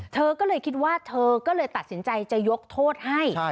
เธอก็เลยคิดว่าเธอก็เลยตัดสินใจจะยกโทษให้